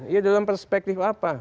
ya dalam perspektif apa